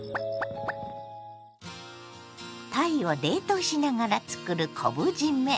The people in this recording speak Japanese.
たいを冷凍しながらつくる昆布じめ。